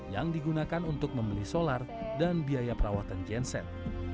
yang digunakan untuk membeli solar dan biaya perawatan genset